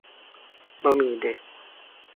บะหมี่เด็ก